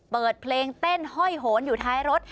เปิดเพลงเต้นห้อยโหนอยู่ท้ายรถ